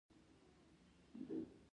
پاکې اوبه کومې دي؟